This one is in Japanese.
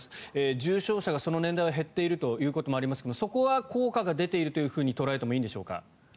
重症者がその年代は減っているということもありますがそこは効果が出ていると捉えてもいいんでしょうか。